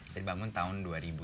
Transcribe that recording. dibangun tahun dua ribu sebelas